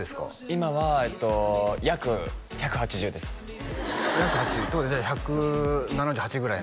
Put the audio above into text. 今はえっと約１８０です約１８０ということはじゃあ１７８ぐらいな？